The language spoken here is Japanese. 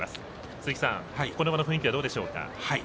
鈴木さん、この馬の雰囲気どうでしょうか。